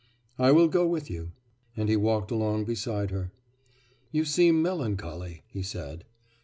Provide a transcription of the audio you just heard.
'I will go with you.' And he walked along beside her. 'You seem melancholy,' he said.